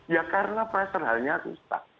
ya karena pressure halnya rusak